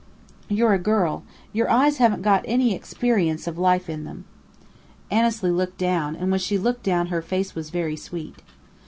You're a girl. Your eyes haven't got any experience of life in them." Annesley looked down; and when she looked down her face was very sweet.